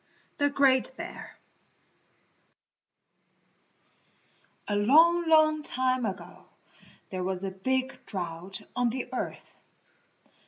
THE GREAT BEAR A long, long time ago there was a big drought on the earth.